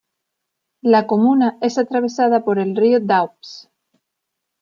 La comuna es atravesada por el río Doubs.